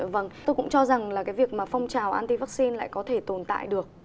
vâng tôi cũng cho rằng là cái việc mà phong trào anti vaccine lại có thể tồn tại được